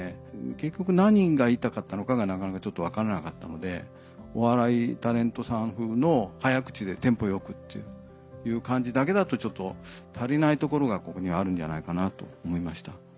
結局何が言いたかったのかがなかなかちょっと分からなかったのでお笑いタレントさん風の早口でテンポ良くっていう感じだけだとちょっと足りないところが僕にはあるんじゃないかなと思いました。